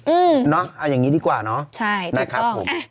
เอาอย่างนี้ดีกว่าเนอะน่ะค่ะผมอืมใช่ถูกต้อง